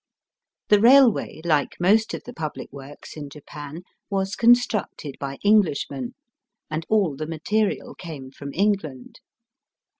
The railway, like most of the public works in Japan, was constructed by Englishmen, and aU the material came from England.